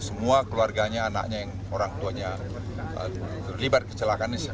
semua keluarganya anaknya orang tuanya terlibat kecelakaannya